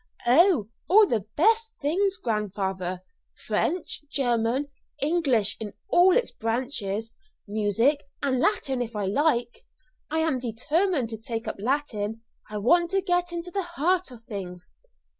"Oh, all the best things, grandfather French, German, English in all its branches, music, and Latin if I like. I am determined to take up Latin; I want to get to the heart of things."